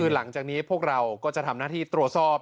หลังจากนี้พวกเราก็จะทำหน้าที่ตรวจสอบ